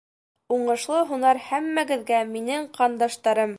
— Уңышлы һунар һәммәгеҙгә, минең ҡандаштарым.